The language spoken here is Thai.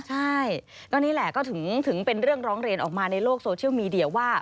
ใช่ก็นี่แหละก็ถึงเป็นเรื่องร้องเรียนออกมาในโลกโซเชียลมีเดียว่า